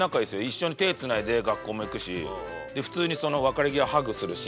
一緒に手つないで学校も行くし普通に別れ際ハグするし。